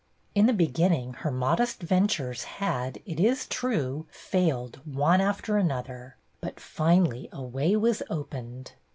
In the beginning her modest ventures had, it is true, failed one after another, but finally a way was opened.